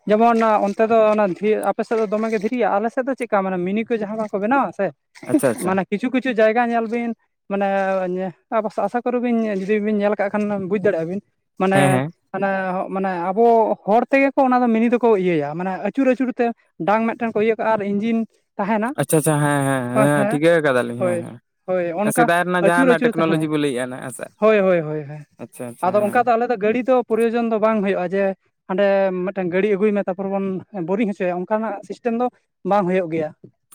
ᱡᱮᱢᱚᱱ ᱚᱱᱛᱮ ᱫᱚ ᱚᱱᱟ ᱟᱯᱮ ᱥᱮᱫ ᱫᱚᱢᱮᱜ ᱜᱮ ᱫᱷᱤᱨᱤᱜ-ᱟ ᱟᱞᱮ ᱥᱮᱫ ᱫᱚ ᱪᱮᱫᱠᱟ ᱢᱟᱱᱮ ᱢᱤᱱᱤ ᱠᱚ ᱡᱟᱦᱟᱸ ᱠᱚ ᱵᱮᱱᱟᱣᱟ ᱥᱮ ᱟᱪᱪᱷᱟ ᱟᱪᱪᱷᱟ ᱢᱟᱱᱮ ᱠᱤᱪᱷᱩ ᱠᱤᱪᱷᱩ ᱡᱟᱭᱜᱟ ᱧᱮᱞ ᱵᱤᱱ ᱢᱟᱱᱮ ᱟᱥᱟ ᱠᱚᱨᱮ ᱵᱤᱱ ᱡᱩᱫᱤ ᱵᱤᱱ ᱧᱮᱞ ᱠᱟᱜ ᱠᱷᱟᱱ ᱵᱩᱡᱽ ᱫᱟᱲᱮᱭᱟᱜ-ᱟ ᱵᱤᱱ ᱦᱮᱸ ᱢᱟᱱᱮ ᱦᱮᱸ ᱟᱱᱟᱮ ᱢᱟᱱᱮ ᱟᱵᱚ ᱦᱚᱲ ᱛᱮᱜᱮ ᱠᱚ ᱚᱱᱟ ᱫᱚ ᱢᱤᱱᱤ ᱫᱚᱠᱚ ᱤᱭᱟᱹᱭᱟ ᱢᱟᱱᱮ ᱟᱹᱪᱩᱨ ᱟᱹᱪᱩᱨ ᱛᱮ ᱰᱟᱝ ᱢᱤᱫᱴᱮᱱ ᱠᱚ ᱤᱭᱟᱹ ᱠᱟᱜ-ᱟ ᱟᱨ ᱤᱧᱡᱤᱱ ᱛᱟᱦᱮᱱᱟ ᱟᱪᱪᱷᱟ ᱟᱪᱪᱷᱟ ᱦᱮᱸ ᱦᱮᱸ ᱴᱷᱤᱠᱟᱹ ᱠᱟᱫᱟᱞᱤᱧ ᱦᱳᱭ ᱦᱮᱸ ᱦᱮᱸ, ᱦᱳᱭ ᱚᱱᱠᱟ ᱥᱮᱫᱟᱭ ᱨᱮᱱᱟᱜ ᱟᱹᱪᱩᱨ ᱡᱟᱦᱟᱱᱟᱜ ᱟᱹᱪᱩᱨ ᱛᱟᱦᱮᱸ ᱴᱮᱠᱱᱳᱞᱚᱡᱤ ᱦᱮᱸ ᱵᱚ ᱞᱟᱹᱭᱮᱫᱼᱟ ᱱᱟᱜ ᱦᱮᱸ ᱥᱮ ᱦᱳᱭ ᱦᱳᱭ ᱦᱳᱭ ᱟᱪᱪᱷᱟ ᱟᱪᱪᱷᱟ ᱟᱫᱚ ᱚᱱᱠᱟ ᱦᱮᱸ ᱫᱚ ᱟᱞᱮ ᱫᱚ ᱜᱟᱹᱰᱤ ᱫᱚ ᱯᱨᱚᱭᱳᱡᱚᱱ ᱫᱚ ᱵᱟᱝ ᱦᱩᱭᱩᱜ-ᱟ ᱡᱮ ᱦᱟᱸᱰᱮ ᱢᱤᱫᱴᱮᱱ ᱜᱟᱹᱰᱤ ᱟᱹᱜᱩᱭ ᱢᱮ ᱛᱟᱨᱯᱚᱨᱮ ᱵᱚᱱ ᱵᱳᱨᱤᱝ ᱦᱚᱪᱚᱭᱟ ᱚᱱᱠᱟᱱᱟᱜ ᱥᱤᱥᱴᱮᱢ ᱫᱚ ᱵᱟᱝ ᱦᱳᱭᱳᱜ ᱜᱮᱭᱟ᱾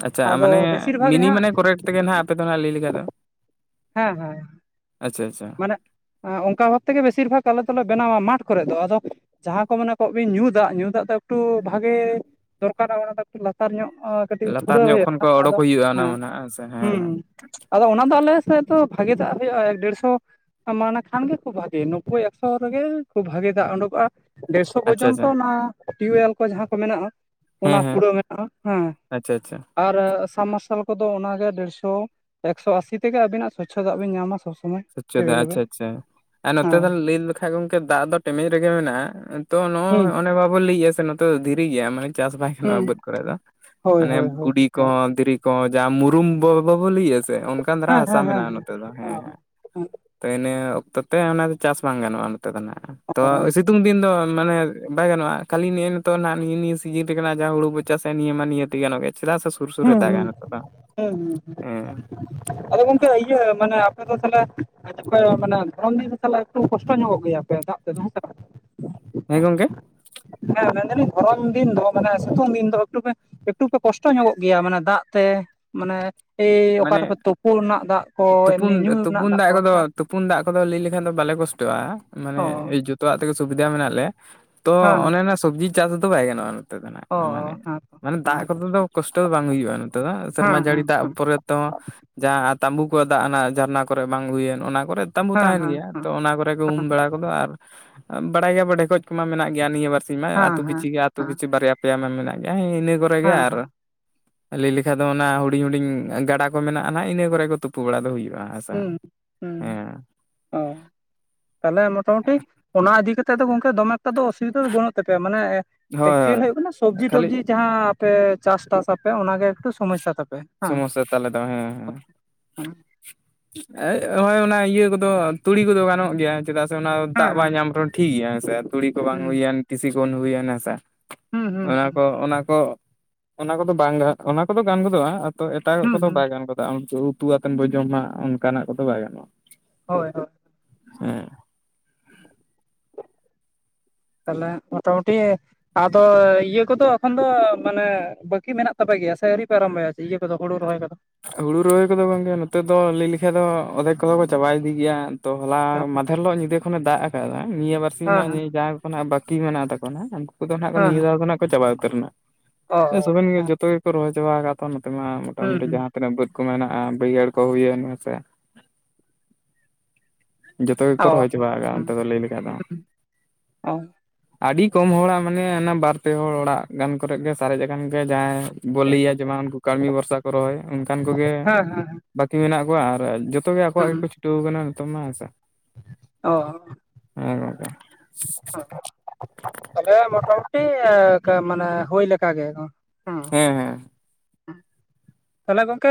ᱟᱪᱪᱷᱟ ᱟᱫᱚ ᱢᱟᱱᱮ ᱵᱮᱥᱤᱨ ᱵᱷᱟᱜᱽ ᱢᱤᱱᱤ ᱡᱟᱦᱟᱸ ᱢᱟᱱᱮ ᱠᱚᱨᱮᱠ ᱛᱮᱜᱮ ᱦᱟᱸᱜ ᱟᱯᱮ ᱫᱚ ᱱᱟᱜ ᱞᱟᱹᱭ ᱞᱮᱠᱷᱷᱟᱡ ᱫᱚ ᱦᱮᱸ ᱦᱮᱸ, ᱟᱪᱷᱟ ᱟᱪᱷᱟ ᱾ ᱢᱟᱱᱮ ᱚᱱᱠᱟ ᱵᱷᱟᱵ ᱛᱮᱜᱮ ᱵᱮᱥᱤᱨ ᱵᱷᱟᱜᱽ ᱟᱞᱮ ᱫᱚᱞᱮ ᱵᱮᱱᱟᱣᱟ ᱢᱟᱴᱷ ᱠᱚᱨᱮ ᱫᱚ, ᱟᱫᱚ ᱡᱟᱦᱟᱸ ᱠᱚ ᱢᱮᱱᱟ ᱠᱚ ᱵᱤᱱ ᱧᱩ ᱫᱟᱜ ᱧᱩ ᱫᱟᱜ ᱫᱚ ᱮᱠᱴᱩ ᱵᱷᱟᱜᱮ ᱫᱚᱨᱠᱟᱨᱟ ᱚᱱᱟ ᱫᱚ ᱮᱠᱴᱩ ᱞᱟᱛᱟᱨ ᱧᱚᱜ ᱠᱟᱹᱴᱤᱡ ᱞᱟᱛᱟᱨ ᱯᱷᱩᱲᱟᱹᱣ ᱧᱚᱜ ᱠᱷᱚᱱ ᱦᱩᱭᱩᱜ-ᱟ ᱠᱚ ᱚᱰᱳᱠ ᱟᱫᱚ ᱦᱩᱭᱩᱜᱼᱟ ᱚᱱᱟ ᱦᱮᱸ ᱢᱟ ᱱᱟᱜ ᱥᱮ ᱦᱮᱸ ᱦᱩᱸ ᱦᱮᱸ ᱟᱫᱚ ᱚᱱᱟ ᱫᱚ ᱟᱞᱮ ᱥᱮᱫ ᱫᱚ ᱵᱷᱟᱜᱮ ᱫᱟᱜ ᱦᱩᱭᱩᱜ-ᱟ ᱮᱠ ᱰᱮᱲᱥᱚ ᱢᱟᱱᱮ ᱠᱷᱟᱱ ᱜᱮ ᱠᱷᱩᱵ ᱵᱷᱟᱜᱮ [inaudible] ᱮᱠᱥᱚ ᱨᱮᱜᱮ ᱠᱷᱩᱵ ᱵᱷᱟᱜᱤ ᱫᱟᱜ ᱩᱰᱩᱠᱚᱜ-ᱟ᱾ ᱰᱮᱲᱥᱚ ᱟᱪᱪᱷᱟ ᱯᱚᱨᱡᱚᱱᱛᱚ ᱟᱪᱪᱷᱟ ᱚᱱᱟ ᱴᱤᱭᱩᱮᱞ ᱠᱚ ᱡᱟᱦᱟᱸ ᱠᱚ ᱢᱮᱱᱟᱜ-ᱟ ᱚᱱᱟ ᱦᱮᱸ ᱦᱮᱸ ᱯᱷᱩᱲᱟᱹᱣ ᱢᱮᱱᱟᱜ-ᱟ ᱦᱮᱸ ᱟᱪᱪᱷᱟ ᱟᱪᱪᱷᱟ ᱟᱨ ᱥᱟᱵᱢᱟᱨᱥᱟᱞ ᱠᱚᱫᱚ ᱚᱱᱟᱜᱮ ᱰᱮᱲᱥᱚ ᱮᱠᱥᱚ ᱟᱥᱤ ᱛᱮᱜᱮ ᱟᱹᱵᱤᱱᱟᱜ ᱥᱚᱪᱷ ᱫᱟᱜ ᱵᱤᱱ ᱧᱟᱢᱟ ᱥᱚᱵ ᱥᱚᱢᱚᱭ᱾ ᱥᱚᱪᱷ ᱫᱟ ᱟᱪᱪᱷᱟ ᱮᱵᱮᱞᱮᱵᱮᱞ ᱟᱪᱪᱷᱟ ᱟᱨ ᱱᱚᱛᱮ ᱦᱮᱸ ᱫᱚ ᱞᱟᱹᱭ ᱞᱮᱠᱷᱟᱡ ᱜᱚᱢᱠᱮ ᱫᱟᱜ ᱫᱚ ᱴᱮᱢᱮᱡ ᱨᱮᱜᱮ ᱢᱮᱱᱟᱜ-ᱟ᱾ ᱛᱚ ᱦᱩᱸ ᱱᱚ-ᱚᱭ ᱚᱱᱮ ᱵᱟᱵᱚ ᱞᱟᱹᱭ ᱜᱮᱭᱟ ᱥᱮ ᱱᱚᱛᱮ ᱫᱚ ᱫᱷᱤᱨᱤ ᱜᱮᱭᱟ ᱢᱟᱱᱮ ᱪᱟᱥ ᱵᱟᱭ ᱦᱩᱸ ᱜᱟᱱᱚᱜ-ᱟ ᱵᱟᱹᱫᱽ ᱠᱚᱨᱮ ᱫᱚ ᱦᱳᱭ ᱢᱟᱱᱮ ᱦᱳᱭ ᱦᱳᱭ ᱜᱩᱰᱤ ᱦᱮᱸ ᱠᱚᱦᱚᱸ ᱫᱷᱤᱨᱤ ᱡᱟᱦᱟᱸ ᱢᱩᱨᱩᱢ ᱵᱟ ᱵᱟᱵᱚ ᱞᱟᱹᱭᱟ ᱥᱮ ᱚᱱᱠᱟᱱ ᱫᱷᱟᱨᱟ ᱦᱟᱥᱟ ᱦᱮᱸ ᱦᱮᱸ ᱢᱮᱱᱟᱜ-ᱟ ᱱᱚᱛᱮ ᱫᱚ ᱦᱮᱸ, ᱦᱮᱸ ᱛᱚ ᱤᱱᱟᱹ ᱚᱠᱛᱚ ᱛᱮ ᱚᱱᱟ ᱫᱚ ᱪᱟᱥ ᱵᱟᱝ ᱜᱟᱱᱚᱜ-ᱟ ᱱᱚᱛᱮ ᱫᱚ ᱱᱟᱜ ᱛᱚ ᱦᱩᱸ ᱥᱤᱛ ᱥᱤᱛᱩᱝ ᱫᱤᱱ ᱫᱚ ᱢᱟᱱᱮ ᱵᱟᱭᱟᱱᱚᱜ-ᱟ ᱠᱷᱟᱹᱞᱤ ᱱᱮᱜ ᱱᱤᱛᱚᱜ ᱱᱟᱜ ᱱᱤᱭᱟᱹ ᱱᱤᱭᱟᱹ ᱥᱤᱡᱤᱱ ᱨᱮᱜᱮ ᱡᱟᱦᱟᱸ ᱦᱩᱲᱩ ᱵᱚᱪ ᱪᱟᱥ ᱥᱮ ᱱᱤᱭᱟᱹ ᱢᱟ ᱱᱤᱭᱟᱹᱮ ᱜᱟᱱᱚᱜ ᱜᱮ ᱪᱮᱫᱟᱜ ᱥᱮ ᱥᱩᱨ ᱥᱩᱨ ᱨᱮ ᱦᱩᱸ ᱫᱟᱜᱟ ᱦᱩᱸ ᱱᱚᱛᱮ ᱫᱚ ᱦᱩᱸ ᱦᱩᱸ ᱦᱮᱸ ᱟᱫᱚ ᱜᱚᱝᱠᱮ ᱤᱭᱟᱹ ᱢᱟᱱᱮ ᱟᱯᱮ ᱫᱚ ᱛᱟᱦᱚᱞᱮ ᱠᱷ ᱢᱟᱱᱮ ᱫᱷᱚᱨᱚᱢ ᱫᱤᱱ ᱫᱚ ᱥᱟᱜ ᱮᱠᱴᱩ ᱠᱚᱥᱴᱚ ᱧᱚᱜ ᱜᱮᱭᱟ ᱯᱮ ᱫᱟᱜ ᱛᱮᱫᱚ ᱦᱮᱸᱥᱟᱞᱟᱜ, [inaudible] ᱦᱮᱸ ᱜᱚᱝᱠᱮ, ᱦᱮᱸ ᱢᱮᱱᱫᱟᱞᱤᱧ ᱫᱷᱚᱨᱚᱱ ᱫᱤᱱ ᱫᱚ ᱢᱟᱱᱮ ᱥᱤᱛᱩᱝ ᱫᱤᱱ ᱫᱚ ᱮᱠᱴᱩ ᱮᱠᱴᱩ ᱯᱮ ᱠᱚᱥᱴᱚ ᱧᱚᱜᱚᱜᱼᱼ ᱜᱮᱭᱟ ᱢᱟᱱᱮ ᱫᱟᱜ ᱛᱮ ᱢᱟᱱᱮᱼᱼ ᱢᱟᱱᱮ ᱛᱩᱯᱩᱱ ᱮᱢᱱᱤ ᱧᱩ ᱨᱮᱱᱟᱜ ᱛᱩᱯᱩᱱ ᱫᱟᱜ ᱠᱚ ᱠᱚᱫᱚ ᱦᱮᱸ ᱛᱩᱯᱩᱱ ᱫᱟᱜ ᱠᱚᱫᱚ ᱞᱟᱹᱭ ᱞᱮᱠᱷᱟᱱ ᱫᱚ ᱵᱟᱞᱮ ᱠᱚᱥᱼᱼ ᱴᱚᱜᱼᱟ ᱢᱟᱱᱮ ᱚ ᱡᱩᱛᱼᱼ ᱛᱚᱣᱟᱜ ᱛᱮᱜᱮ ᱥᱩᱵᱤᱫᱟ ᱢᱮᱱᱟᱜ ᱞᱮᱭᱟ ᱛᱚ ᱦᱮᱸ ᱚᱱᱮ ᱚᱱᱟ ᱥᱚᱵᱽᱡᱤ ᱪᱟᱥ ᱫᱚ ᱵᱟᱭ ᱜᱟᱱᱚᱜᱼᱟ᱾ ᱱᱚᱛᱮ ᱫᱚ ᱱᱟᱜ ᱚ ᱠᱷᱚᱱ ᱢᱟᱱᱮ ᱦᱮᱸ ᱛᱚ ᱢᱟᱱᱮ ᱫᱟᱜ ᱠᱚᱛᱮ ᱫᱚ ᱠᱚᱥᱴᱚ ᱫᱚ ᱵᱟᱝ ᱦᱩᱭᱩᱜᱼᱟ ᱱᱚᱛᱮ ᱫᱚ ᱥᱮᱨᱢᱟ ᱦᱮᱸ ᱡᱟᱹᱲᱤ ᱦᱮᱸ ᱫᱟᱜ ᱯᱚᱨᱮ᱾ ᱛᱚ ᱡᱟᱦᱟᱸ ᱛᱟᱸᱵᱩ ᱠᱚᱣᱟᱜ ᱫᱟᱜ ᱚᱱᱟ ᱡᱷᱟᱨᱱᱟ ᱠᱚᱨᱮ ᱵᱟᱝ ᱦᱩᱭᱮᱱ ᱚᱱᱟ ᱠᱚᱨᱮᱼᱼ ᱛᱟᱢᱵᱩ ᱦᱮᱸ ᱦᱮᱸ ᱦᱮᱸ ᱛᱟᱦᱮᱱ ᱦᱮᱸ ᱜᱮᱭᱟ ᱛᱚ ᱚᱱᱟ ᱠᱚᱨᱮ ᱜᱮ ᱩᱢ ᱵᱟᱲᱟ ᱠᱚᱫᱚ ᱟᱨ ᱵᱟᱲᱟᱭ ᱜᱮᱭᱟ ᱵᱚ ᱰᱷᱮᱠᱚᱡ ᱠᱚᱢᱟ ᱢᱮᱱᱟᱜ ᱜᱮᱭᱟ ᱱᱤᱭᱟᱹ ᱵᱟᱨᱥᱤᱼᱼ ᱥᱤᱧ ᱢᱟ ᱦᱮᱸ ᱟᱛᱩ ᱦᱮᱸ ᱯᱤᱪᱷᱤ ᱜᱮ ᱟᱹᱛᱩ ᱦᱮᱸ ᱯᱤᱪᱷᱩ ᱵᱟᱨᱭᱟ ᱯᱮᱭᱟ ᱢᱟ ᱢᱮᱱᱟᱜ ᱜᱮᱭᱟᱸ ᱤᱱᱟᱹ ᱠᱚᱨᱮ ᱜᱮ ᱦᱮᱸ ᱟᱨᱼᱼ ᱦᱮᱸ ᱞᱮᱭ ᱞᱮᱠᱷᱟ ᱫᱚ ᱚᱱᱟ ᱦᱩᱰᱤᱧ ᱦᱩᱰᱤᱧ ᱜᱟᱰᱟ ᱠᱚ ᱢᱮᱱᱟᱜᱼᱟ ᱱᱟᱜ ᱤᱱᱟᱹ ᱠᱚᱨᱮ ᱠᱚ ᱛᱩᱯᱩ ᱵᱟᱲᱟ ᱫᱚ ᱦᱩᱭᱩᱜᱼᱟ᱾ ᱦᱮᱸᱥᱮ ᱦᱩᱸ ᱦᱩᱸ ᱦᱩᱸ ᱦᱮᱸ ᱦᱚᱸ ᱛᱟᱦᱞᱮ ᱢᱚᱴᱟᱢᱩᱴᱤ, ᱚᱱᱟ ᱤᱫᱤ ᱠᱟᱛᱮᱫ ᱫᱚ ᱜᱚᱝᱠᱮ ᱫᱚᱢᱮ ᱮᱠᱴᱟ ᱫᱚ ᱚᱥᱩᱼᱼ ᱵᱤᱫᱜᱟᱹ ᱫᱚ ᱵᱟᱹᱱᱩᱜ ᱛᱟᱯᱮᱭᱟ ᱢᱟᱱᱮ ᱦᱳᱭ ᱮᱠᱪᱩᱭᱮᱞ ᱦᱳᱭᱳᱜ ᱠᱟᱱᱟ ᱦᱳᱭ ᱥᱚᱵᱽᱡᱤ ᱠᱷᱟᱹᱞᱤ ᱴᱚᱵᱽᱡᱤ ᱡᱟᱦᱟᱸᱼᱼ ᱛᱮ ᱪᱟᱥᱴᱟᱥ ᱟᱯᱮ ᱚᱱᱟᱜᱮ ᱮᱠᱴᱩ ᱥᱳᱢᱚᱥᱥᱟ ᱛᱟᱯᱮ ᱦᱟᱝ? ᱥᱚᱢᱚᱥᱥᱟ ᱛᱟᱞᱮ ᱫᱚ ᱮᱭ ᱦᱳᱭ ᱚᱱᱟ ᱤᱭᱟᱹ ᱠᱚᱫᱚ ᱛᱩᱲᱤ ᱠᱚᱫᱚ ᱜᱟᱱᱚᱜ ᱜᱮᱭᱟ᱾ ᱪᱮᱫᱟᱜ ᱥᱮ ᱚᱱᱟ ᱫᱟᱜ ᱵᱟᱭ ᱦᱮᱸ ᱧᱟᱢ ᱨᱮᱦᱚᱸ ᱴᱷᱤᱠ ᱜᱮᱭᱟ ᱦᱮᱸ ᱥᱮ ᱛᱩᱲᱤ ᱠᱚ ᱵᱟᱝ ᱦᱩᱸ ᱦᱩᱭᱮᱱ ᱴᱤᱥᱤ ᱠᱚ ᱦᱩᱭᱮᱱ ᱦᱮᱸ ᱥᱮ, ᱦᱩᱸ ᱚᱱᱟ ᱠᱚ ᱦᱩᱸ ᱚᱱᱟ ᱠᱚ ᱚᱱᱟ ᱠᱚᱫᱚ ᱵᱟᱝ ᱨᱮᱦᱚ ᱚᱱᱟ ᱠᱚᱫᱚ ᱜᱟᱱ ᱜᱚᱫᱚᱜᱼᱟ᱾ ᱛᱚ ᱮᱴᱟᱜᱟᱜ ᱦᱩᱸ ᱠᱚᱫᱚ ᱦᱩᱸ ᱵᱟᱭ ᱜᱟᱱ ᱜᱚᱫᱚᱜᱼᱟ ᱩᱱᱛᱩ ᱩᱛᱩ ᱟᱛᱮᱱ ᱵᱚᱱ ᱡᱚᱢᱟ ᱚᱱᱠᱟᱱᱟᱜ ᱠᱚᱫᱚ ᱵᱟᱭ ᱜᱟᱱᱚᱜᱼᱟ᱾ ᱦᱳᱭ ᱦᱳᱭ᱾ ᱦᱩᱸ᱾ ᱛᱟᱦᱞᱮ ᱢᱚᱴᱟᱢᱩᱴᱤᱼᱼ ᱟᱫᱚ ᱤᱭᱟᱹ ᱠᱚᱫᱚ ᱮᱠᱷᱚᱱ ᱫᱚ ᱢᱟᱱᱮ ᱵᱟᱹᱠᱤ ᱢᱮᱱᱟᱜ ᱛᱟᱯᱮ ᱜᱮᱭᱟ ᱥᱮ ᱟᱹᱨᱤ ᱯᱮ ᱟᱨᱟᱢᱵᱚᱭᱟ᱾ ᱤᱭᱟᱹᱠᱚᱫᱚ ᱦᱩᱲᱩ ᱨᱚᱦᱚᱭ ᱠᱚᱫᱚ? ᱦᱩᱲᱩ ᱨᱚᱦᱚᱭ ᱠᱚᱫᱚ ᱜᱚᱝᱠᱮ ᱱᱚᱛᱮ ᱫᱚ ᱞᱟᱹᱭ ᱞᱮᱠᱷᱟᱡ ᱫᱚ ᱚᱫᱷᱮᱠ ᱠᱚ ᱪᱟᱵᱟᱭ ᱤᱫᱤ ᱜᱤᱭᱟ᱾ ᱛᱚ ᱦᱚᱞᱟ ᱦᱮᱸ ᱢᱟᱫᱷᱮᱨ ᱦᱤᱞᱳᱜ ᱧᱤᱫᱟᱹ ᱠᱷᱚᱱᱮ ᱫᱟᱜ ᱠᱟᱫᱟ ᱱᱤᱭᱟᱹ ᱵᱟᱨᱥᱤᱧ ᱱᱟᱜ ᱦᱮᱸ ᱡᱟᱼᱼ ᱠᱷᱚᱱᱟᱜ ᱵᱟᱹᱠᱤ ᱢᱮᱱᱟᱜ ᱛᱟᱠᱚᱣᱟ ᱱᱟᱜ ᱩᱱᱠᱩ ᱠᱚᱫᱚ ᱦᱟᱸᱜ ᱠᱚ ᱱᱤᱭᱟᱹ ᱫᱷᱟᱣ ᱫᱚ ᱱᱟᱜ ᱠᱚ ᱪᱟᱵᱟ ᱩᱛᱟᱹᱨ ᱱᱟᱜ᱾ ᱚᱻ ᱥᱚᱵᱮᱱ ᱜᱮ ᱡᱚᱛᱚ ᱜᱮᱠᱚ ᱨᱚᱦᱚᱭ ᱪᱟᱵᱟ ᱟᱠᱟᱫ ᱛᱚ ᱱᱚᱛᱮ ᱢᱟ ᱦᱩᱸ ᱢᱚᱴᱟᱢᱩᱴᱤ ᱡᱟᱦᱟᱸ, ᱦᱩᱸ ᱱᱚᱛᱮᱱᱟᱜ ᱵᱟᱹᱫᱽ ᱠᱚ ᱢᱮᱱᱟᱜᱼᱟ ᱵᱟᱹᱭᱦᱟᱹᱲ ᱠᱚ ᱦᱩᱭ ᱮᱱ ᱦᱮᱸ ᱥᱮ᱾ ᱡᱚᱛᱚ ᱜᱮᱠᱚ ᱚ ᱨᱚᱦᱚᱭ ᱪᱟᱵᱟ ᱠᱟᱜᱼᱟ ᱦᱩᱸ ᱚᱱᱛᱮ ᱫᱚ ᱞᱟᱹᱭ ᱞᱮᱠᱷᱟ ᱫᱚ᱾ ᱚ ᱟᱹᱰᱤ ᱠᱚᱢ ᱦᱚᱲᱟᱜ ᱢᱟᱱᱮ ᱚᱱᱟ ᱵᱟᱨ ᱯᱮ ᱦᱚᱲ ᱚᱲᱟᱜ ᱜᱟᱱ ᱠᱚᱨᱮ ᱜᱮ ᱥᱟᱨᱮᱡ ᱠᱟᱱ ᱜᱮ ᱡᱟᱦᱟᱸᱭᱼᱼ ᱵᱚ ᱞᱮᱭᱟ ᱡᱮᱢᱚᱱ ᱩᱱᱠᱩ ᱠᱟᱲᱢᱤ ᱵᱷᱚᱨᱥᱟ ᱠᱚ ᱨᱚᱦᱚᱭ ᱚᱱᱠᱟᱱ ᱠᱚᱜᱮ ᱦᱮᱸ ᱦᱮᱸ ᱵᱟᱹᱠᱤ ᱢᱮᱱᱟᱜ ᱠᱚᱣᱟ ᱟᱨ ᱡᱚᱛᱚᱼᱼ ᱛᱚ ᱜᱮ ᱟᱠᱚᱣᱟᱜ ᱦᱩᱸ ᱜᱮᱠᱚ ᱪᱷᱩᱴᱟᱹᱣ ᱠᱟᱱᱟ ᱱᱤᱛᱚᱝ ᱢᱟ ᱦᱮᱸᱥᱮ᱾ ᱚᱻ ᱛᱟᱦᱞᱮ ᱢᱚᱴᱟᱢᱩᱴᱤ ᱢᱟᱱᱮ ᱦᱩᱭ ᱞᱮᱠᱟ ᱜᱮ᱾ ᱦᱮᱸ ᱦᱮᱸ᱾ ᱛᱟᱦᱞᱮ ᱜᱚᱝᱠᱮ᱾